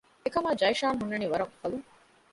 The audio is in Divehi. އެކަމާ ޖައިޝާން ހުންނަނީ ވަރަށް އުފަލުން